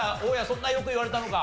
そんなよく言われたのか？